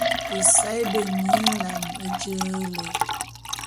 Esaé bemie nlame nje le.